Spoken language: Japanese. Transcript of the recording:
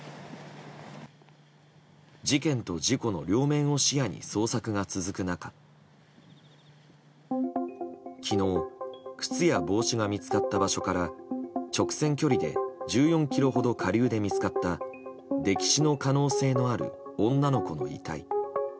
事件と事故の両面を視野に捜索が続く中昨日靴や帽子が見つかった場所から直線距離で１４ｋｍほど下流で見つかった溺死の可能性のある女の子の遺体。